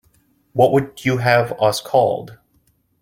What would you have us called?